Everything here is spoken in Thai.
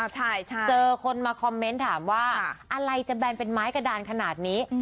เจอคนมาคอมเมนต์ถามว่าอะไรจะแบนเป็นไม้กระดานขนาดนี้